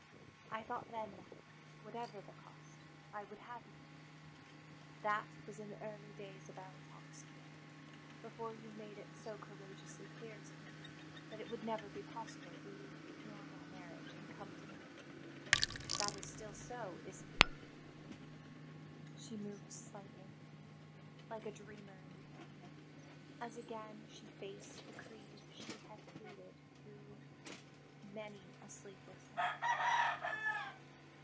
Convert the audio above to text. I thought then that, whatever the cost, I would have you. That was in the early days of our talks here before you made it so courageously clear to me that it would never be possible for you to ignore my marriage and come to me. That is still so, isn't it?" She moved slightly, like a dreamer in pain, as again she faced the creed she had hated through many a sleepless night.